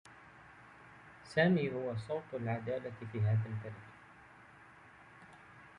سامي هو صوت العدالة في هذا البلد.